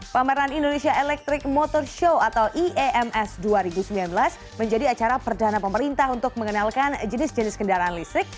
pameran indonesia electric motor show atau iems dua ribu sembilan belas menjadi acara perdana pemerintah untuk mengenalkan jenis jenis kendaraan listrik